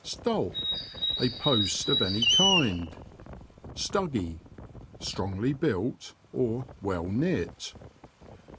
Stulp. — A post of any kind. Stuggy. — Strongly built; well knit.